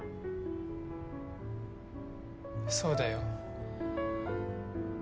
そうだよ